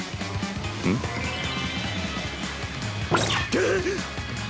えっ！